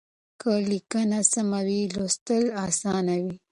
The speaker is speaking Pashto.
که ليکنه سمه وي لوستل اسانه وي.